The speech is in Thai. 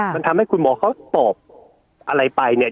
มันทำให้คุณหมอเขาตอบอะไรไปเนี่ย